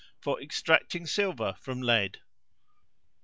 For extracting silver from lead.